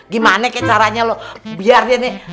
gimana ke caranya lo biar dia nih